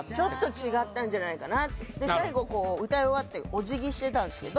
違ったんじゃないかなって最後歌い終わってお辞儀してたんですけど